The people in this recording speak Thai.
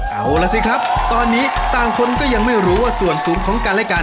เอาล่ะสิครับตอนนี้ต่างคนก็ยังไม่รู้ว่าส่วนสูงของกันและกัน